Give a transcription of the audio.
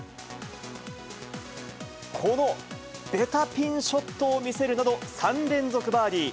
このベタピンショットを見せるなど、３連続バーディー。